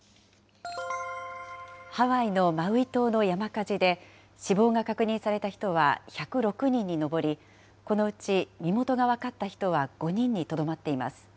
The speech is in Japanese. ハワイのマウイ島の山火事で、死亡が確認された人は１０６人に上り、このうち身元が分かった人は５人にとどまっています。